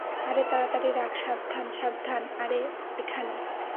আরে, তাড়াতাড়ি রাখ - সাবধান, সাবধান - আরে, এখানে।